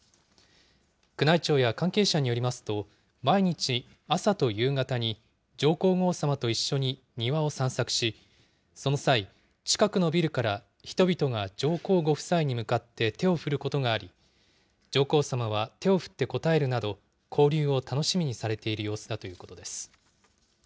宮内庁や関係者によりますと、毎日朝と夕方に上皇后さまと一緒に庭を散策し、その際、近くのビルから人々が上皇ご夫妻に向かって手を振ることがあり、上皇さまは手を振って応えるなど、交流を楽しみにされている様子だということです。